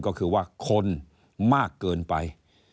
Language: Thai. ก็คือว่าคนมากเกินไป